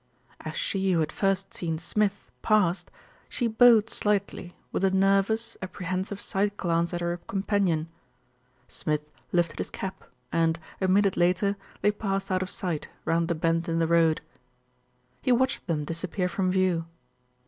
As she who had first seen Smith passed, she bowed slightly, with a nervous, apprehensive side glance at her companion. Smith lifted his cap and, a minute later, they passed out of sight round the bend in the road. He watched them disappear from view.